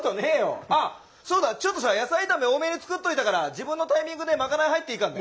あっそうだちょっとさ野菜炒め多めに作っといたから自分のタイミングで賄い入っていいからね。